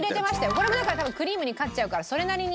これもだから多分クリームに勝っちゃうからそれなりに。